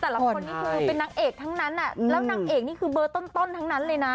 คนนี้คือเป็นนางเอกทั้งนั้นแล้วนางเอกนี่คือเบอร์ต้นทั้งนั้นเลยนะ